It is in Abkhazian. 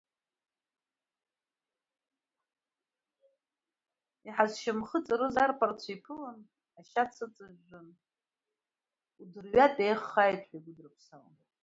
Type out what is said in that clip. Еиҳа зшьамхы ҵырыз арԥарцәа иԥылан, ашьац ыҵыжәжәан удырҩатә еӷьхааит ҳәа игәыдрыԥсалон.